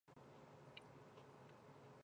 瓦德成为不管部长。